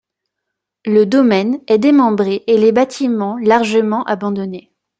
Le domaine est démembré et les bâtiments largement abandonnés.